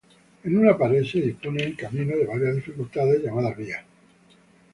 En una pared, se disponen en caminos de varias dificultades llamadas vías.